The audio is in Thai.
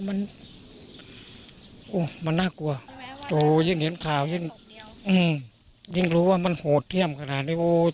มันน่ากลัวโอ้ยยิ่งเห็นข่าวยิ่งรู้ว่ามันโหดเที่ยมขนาดนี้